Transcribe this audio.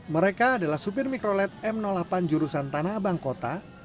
mereka adalah supir mikrolet m delapan jurusan tanah abang kota